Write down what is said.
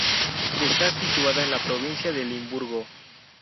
Está situada en la provincia de Limburgo.